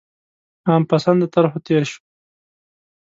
عام پسنده طرحو تېر شو.